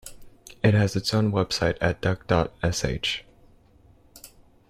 It has its own website at duck dot sh.